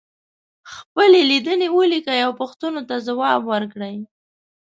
خپلې لیدنې ولیکئ او پوښتنو ته ځواب ورکړئ.